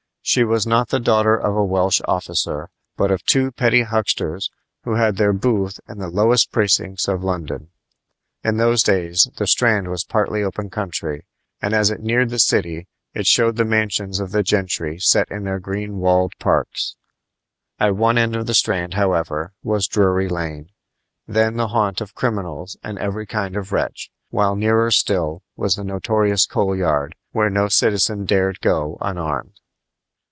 She was not the daughter of a Welsh officer, but of two petty hucksters who had their booth in the lowest precincts of London. In those days the Strand was partly open country, and as it neared the city it showed the mansions of the gentry set in their green walled parks. At one end of the Strand, however, was Drury Lane, then the haunt of criminals and every kind of wretch, while nearer still was the notorious Coal Yard, where no citizen dared go unarmed.